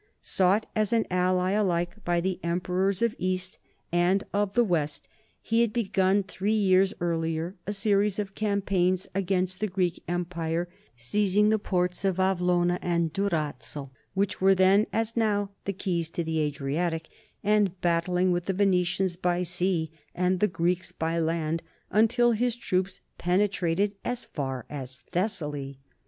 Sought as an ally alike by the emperors of 206 NORMANS IN EUROPEAN HISTORY the East and of the West, he had begun three years earlier a series of campaigns against the Greek empire, seizing the ports of Avlona and Durazzo which were then as now the keys to the Adriatic, and battling with the Venetians by sea and the Greeks by land until his troops penetrated as far as Thessaly.